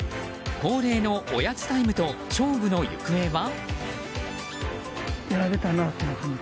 恒例のおやつタイムと勝負の行方は？